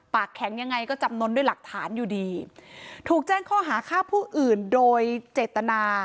ปากแข็งยังไงก็จำนวนด้วยหลักฐานอยู่ดีถูกแจ้งข้อหาฆ่าผู้อื่นโดยเจตนา